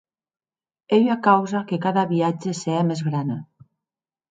Ei ua causa que cada viatge se hè mès grana.